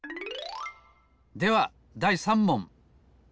ではだい３もん。